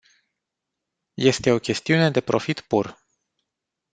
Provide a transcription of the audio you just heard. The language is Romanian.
Este o chestiune de profit pur.